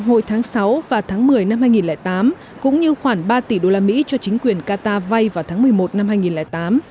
hồi tháng sáu và tháng một mươi năm hai nghìn tám cũng như khoảng ba tỷ usd cho chính quyền qatar vay vào tháng một mươi một năm